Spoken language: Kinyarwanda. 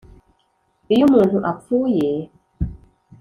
Iyo umuntu apfuye